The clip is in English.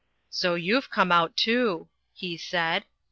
"So youVe come out too," he said.